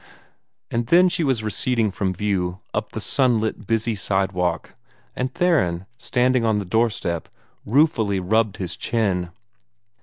And then she was receding from view, up the sunlit, busy sidewalk, and Theron, standing on the doorstep, ruefully rubbed his chin.